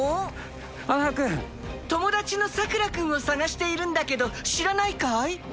友達のさくら君を捜しているんだけど知らないかい？